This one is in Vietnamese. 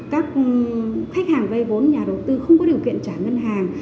các khách hàng vay vốn nhà đầu tư không có điều kiện trả ngân hàng